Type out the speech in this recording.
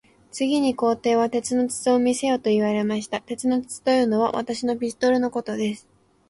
次に皇帝は、鉄の筒を見せよと言われました。鉄の筒というのは、私のピストルのことです。